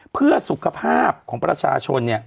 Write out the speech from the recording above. เพื่อสุขภาพของประชาชน